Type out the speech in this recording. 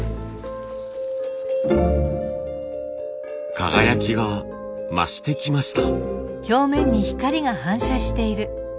輝きが増してきました。